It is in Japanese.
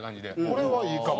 これはいいかも。